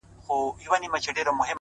شاعره خداى دي زما ملگرى كه،